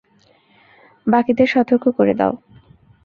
বাকিদের সতর্ক করে দাও!